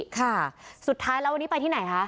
ค่ะสุดท้ายแล้ววันนี้ไปที่ไหนคะ